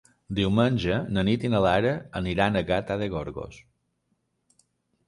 Diumenge na Nit i na Lara aniran a Gata de Gorgos.